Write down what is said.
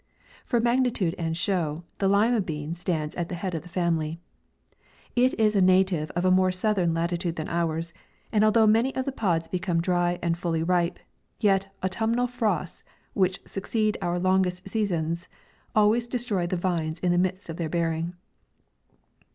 For magnitude and show, THE LIMA BEAN stands at the head of the family. It is a na tiv e of a more southern latitude than ours, and although many of the pods become dry and fully ripe, yet the autumnal frosts which suc ceed our longest seasons always destroy the vines in the midst of their bearing.